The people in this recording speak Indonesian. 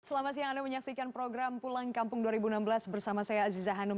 selamat siang anda menyaksikan program pulang kampung dua ribu enam belas bersama saya aziza hanum